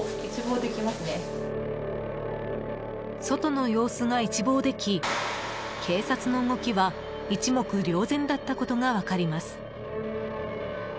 外の様子が一望でき警察の動きは一目瞭然だったことが分かります。